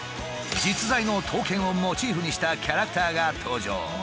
実在の刀剣をモチーフにしたキャラクターが登場。